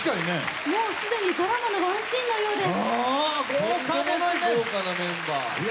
もう既にドラマの１シーンのようです。